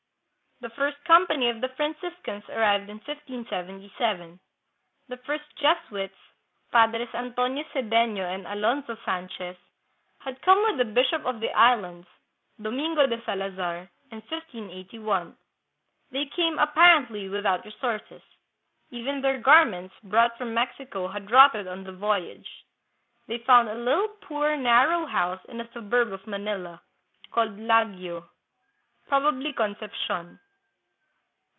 The first company of Franciscans arrived in 1577. The first Jesuits, padres Antonio Sedefio and Alonzo Sanchez, had come with the bishop of the Islands, Domingo de Salazar, in 1581. They came apparently without resources. Even their garments brought from Mexico had rotted on the voyage. They found a little, poor, narrow house in a suburb of Manila, called Laguio (probably Concepcion).